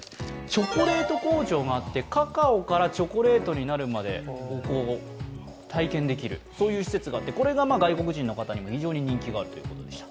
チョコレート工場があって、カカオからチョコレートになるまでを体験できる、そういう施設があって、これが外国人の方にも非常に人気があるということでした。